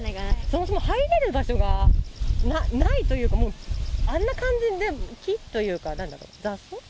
そもそも入れる場所がない、ないというか、あんな感じで木というか、なんだこれ、雑草？